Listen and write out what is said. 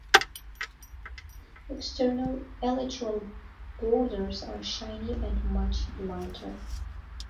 External elytral borders are shiny and much lighter.